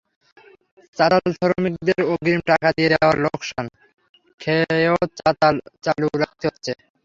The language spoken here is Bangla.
চাতালশ্রমিকদের অগ্রিম টাকা দিয়ে দেওয়ায় লোকসান খেয়েও চাতাল চালু রাখতে হচ্ছে।